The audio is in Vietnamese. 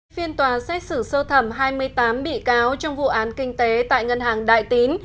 phiên tòa xét xử sơ thẩm hai mươi tám bị cáo trong vụ án kinh tế tại ngân hàng đại tín